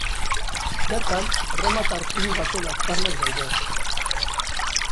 Bertan erromatar zubi baten aztarnak daude.